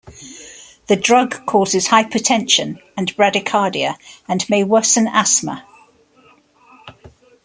The drug causes hypotension and bradycardia and may worsen asthma.